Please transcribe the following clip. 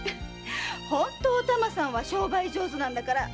ほんとお玉さんは商売上手なんだから！